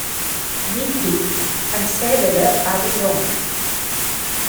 Be quick, and say whether I was wrong!